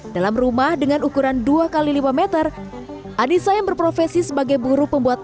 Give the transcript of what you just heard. dalam rumah dengan ukuran dua x lima meter anissa yang berprofesi sebagai buruh pembuat